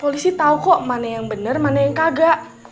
polisi tau kok mana yang bener mana yang kagak